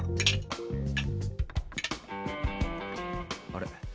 あれ？